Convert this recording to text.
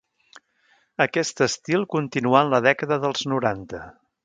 Aquest estil continuà en la dècada dels noranta.